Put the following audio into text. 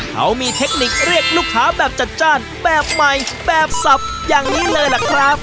เขามีเทคนิคเรียกลูกค้าแบบจัดจ้านแบบใหม่แบบสับอย่างนี้เลยล่ะครับ